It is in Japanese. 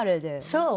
そう？